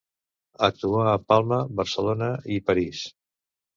Actuà a Palma, Barcelona i París.